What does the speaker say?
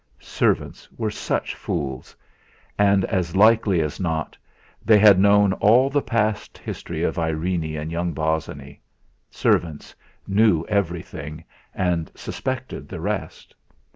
Servants were such fools; and, as likely as not, they had known all the past history of Irene and young Bosinney servants knew everything, and suspected the rest.